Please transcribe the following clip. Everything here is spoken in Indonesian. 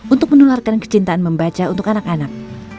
untuk menularkan kecintaan membaca untuk anak anak